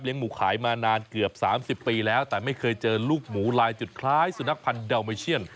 หมูขายมานานเกือบ๓๐ปีแล้วแต่ไม่เคยเจอลูกหมูลายจุดคล้ายสุนัขพันธ์ดาเมเชียน